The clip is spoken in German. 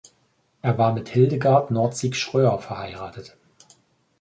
Er war mit Hildegard Nordsieck-Schröer verheiratet.